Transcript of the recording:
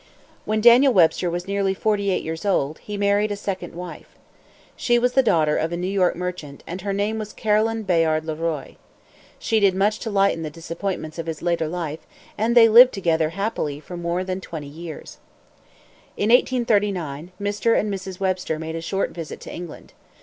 When Daniel Webster was nearly forty eight years old, he married a second wife. She was the daughter of a New York merchant, and her name was Caroline Bayard Le Roy. She did much to lighten the disappointments of his later life, and they lived together happily for more than twenty years. In 1839, Mr. and Mrs. Webster made a short visit to England.